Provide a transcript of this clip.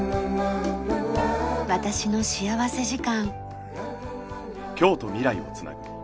『私の幸福時間』。